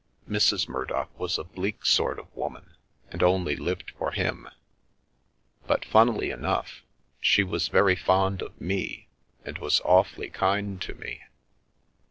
Mrs. Murdock was a bleak sort of woman, and only lived for him. But, funnily enough, she was very fond of me, and was awfully kind to me."